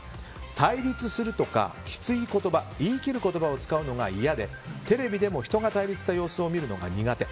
対立するとか、きつい言葉言い切る言葉を使うのが嫌でテレビでも人が対立した様子を見るのが苦手。